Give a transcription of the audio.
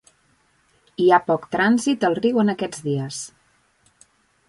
Hi ha poc trànsit al riu en aquests dies.